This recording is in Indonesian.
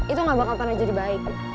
itu gak bakal pernah jadi baik